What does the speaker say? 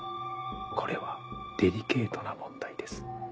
これはデリケートな問題です。